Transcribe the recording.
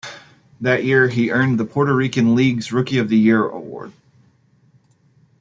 That year he earned the Puerto Rican League's "Rookie of the Year Award".